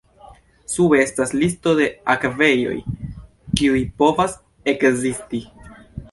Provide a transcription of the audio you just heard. Sube estas listo de akvejoj, kiuj povas ekzisti.